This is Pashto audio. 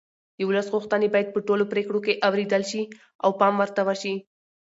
د ولس غوښتنې باید په ټولو پرېکړو کې اورېدل شي او پام ورته وشي